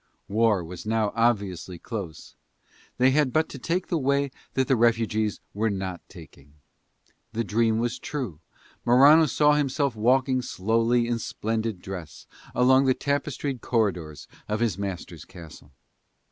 War was now obviously close: they had but to take the way that the refugees were not taking. The dream was true: Morano saw himself walking slowly in splendid dress along the tapestried corridors of his master's castle.